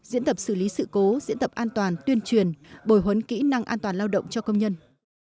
diễn tập xử lý sự cố diễn tập an toàn tuyên truyền bồi huấn kỹ năng an toàn lao động cho công nhân